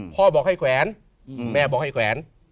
บอกให้แขวนแม่บอกให้แขวน